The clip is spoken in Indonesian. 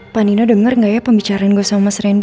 pak nino denger nggak ya pembicaraan gue sama mas randy